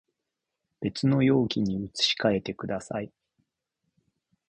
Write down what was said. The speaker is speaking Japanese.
別の容器に移し替えてください